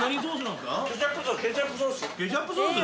ケチャップソース？